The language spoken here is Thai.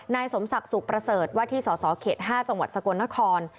นายสมสักศุกร์ประเสริฐวัฒนีสอสเขจ๕กทรกรนคร